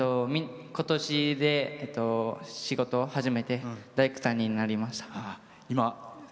今年、仕事を始めて大工さんになりました。